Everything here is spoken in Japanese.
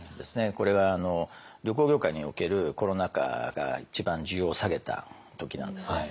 これは旅行業界におけるコロナ禍が一番需要を下げた時なんですね。